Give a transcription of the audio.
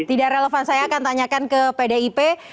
tidak relevan saya akan tanyakan ke pdip